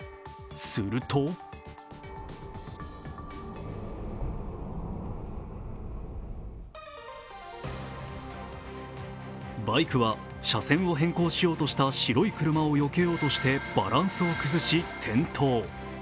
するとバイクは車線を変更しようとした白い車をよけようとしてバランスを崩し転倒。